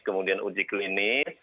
kemudian uji klinis